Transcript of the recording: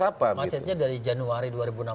macetnya dari januari dua ribu enam belas